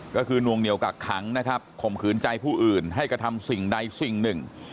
ก็คือนวงเหนียวกักขังนะครับข่มขืนใจผู้อื่นให้กระทำสิ่งใดสิ่งหนึ่ง